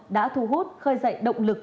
đã thu hút khơi dậy động lực